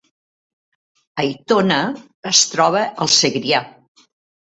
Aitona es troba al Segrià